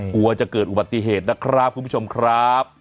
กลัวจะเกิดอุบัติเหตุนะครับคุณผู้ชมครับ